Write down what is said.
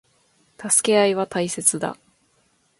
助け合いは大切だ。